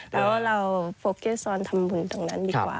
แต่ว่าเราต้องทำมงธรรมบุญอย่างนั้นดีกว่า